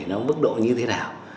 nó mức độ như thế nào